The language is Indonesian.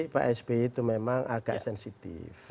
pak sby itu memang agak sensitif